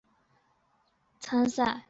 他也代表法国青年国家足球队参赛。